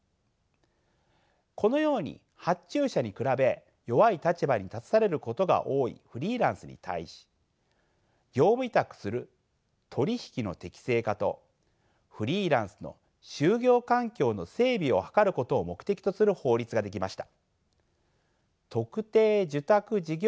このように発注者に比べ弱い立場に立たされることが多いフリーランスに対し業務委託する取り引きの適正化とフリーランスの就業環境の整備を図ることを目的とする法律が出来ました。